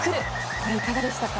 これ、いかがでしたか？